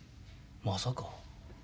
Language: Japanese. まさか。